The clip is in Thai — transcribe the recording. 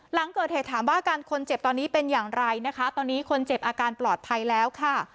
หลังเกิดเหตุถามว่าอาการคนเจ็บตอนนี้เป็นอย่างไรนะคะตอนนี้คนเจ็บอาการปลอดภัยแล้วค่ะ